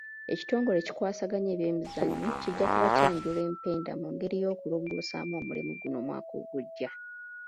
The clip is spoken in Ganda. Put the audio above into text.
Ekitongole ekikwasaganya ebyemizannyo kijja kuba kyanjula empenda ku ngeri y'okulongosaamu omulimu guno omwaka ogujja.